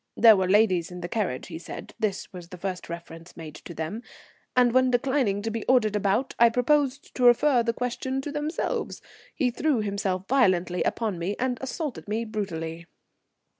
There were ladies in the carriage, he said (this was the first reference made to them), and, when declining to be ordered about, I proposed to refer the question to themselves, he threw himself violently upon me and assaulted me brutally.